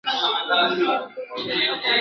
د بچو خالي ځالۍ ورته ښکاره سوه !.